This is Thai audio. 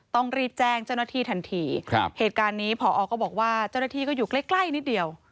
ต้องรีบแจ้งเจ้าหน้าที่ทันทีครับเหตุการณ์นี้พอก็บอกว่าเจ้าหน้าที่ก็อยู่ใกล้ใกล้นิดเดียว